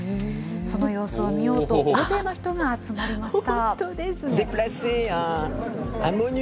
その様子を見ようと、大勢の人が集まりました。